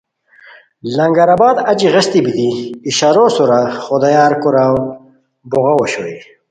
لنگر آباد اچی غیستی بیتی اشارو سورا خدایار کوراؤ بوغاؤ اوشوئے